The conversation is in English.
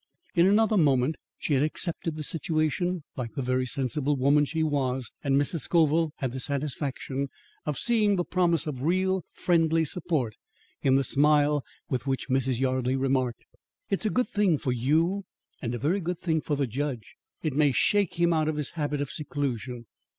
In another moment, she had accepted the situation, like the very sensible woman she was, and Mrs. Scoville had the satisfaction of seeing the promise of real friendly support in the smile with which Mrs. Yardley remarked: "It's a good thing for you and a very good thing for the judge. It may shake him out of his habit of seclusion.